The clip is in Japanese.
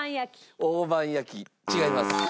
大判焼き違います。